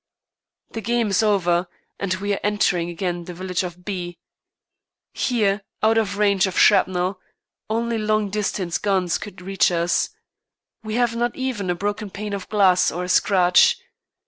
The game is over, and we are entering again the village of B . Here, out of range of shrapnel, only long distance guns could reach us. We have not even a broken pane of glass or a scratch.